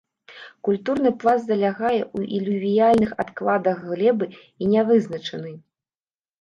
Культурны пласт залягае ў ілювіяльных адкладах глебы і нявызначаны.